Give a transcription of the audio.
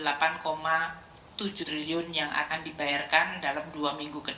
seperti yang di buka dicengkok ini